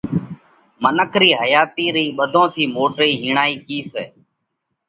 منک رِي حياتِي رئِي ٻڌون ٿِي موٽئِي هِيڻائِي ڪِي سئہ؟